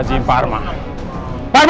jangan satu ratus sembilan puluh dua zhang